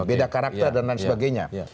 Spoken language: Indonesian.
beda karakter dan lain sebagainya